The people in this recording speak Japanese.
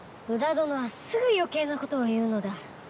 どのはすぐ余計な事を言うのだ。